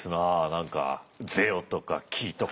何か「ぜよ」とか「き」とか。